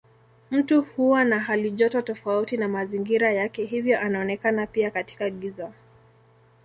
Mtu huwa na halijoto tofauti na mazingira yake hivyo anaonekana pia katika giza.